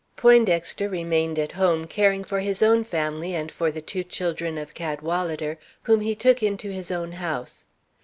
Poindexter remained at home, caring for his own family and for the two children of Cadwalader, whom he took into his own house.